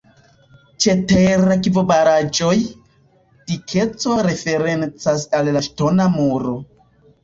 Ĉe ter-akvobaraĵoj, dikeco referencas al la ŝtona muro.